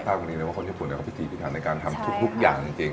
ตรงนี้เลยว่าคนญี่ปุ่นเขาพิธีพิธันในการทำทุกอย่างจริง